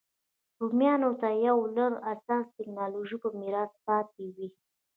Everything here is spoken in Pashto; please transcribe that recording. رومیانو ته یو لړ اساسي ټکنالوژۍ په میراث پاتې وې